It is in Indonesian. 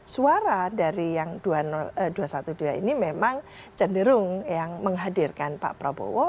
suara dari yang dua ratus dua belas ini memang cenderung yang menghadirkan pak prabowo